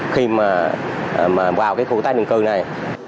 khi mà vào cái khu tế định cư này